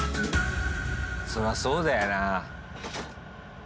そらそうだよな。